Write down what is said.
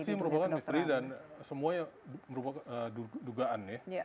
ini merupakan misteri dan semuanya merupakan dugaan ya